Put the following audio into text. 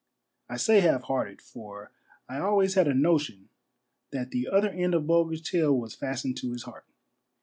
I say half hearted, for I always had a notion ifiat the other end of Bulger's tail was; fastened to his heart.